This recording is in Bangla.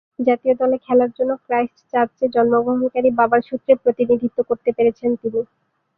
জাতীয় দলে খেলার জন্য ক্রাইস্টচার্চে জন্মগ্রহণকারী বাবার সূত্রে প্রতিনিধিত্ব করতে পেরেছেন তিনি।